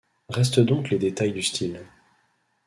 Restent donc les détails du style.